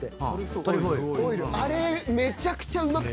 あれめちゃくちゃうまくて。